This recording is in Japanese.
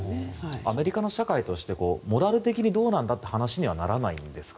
アメリカの社会としてモラル的にどうなんだという話にならないんですか？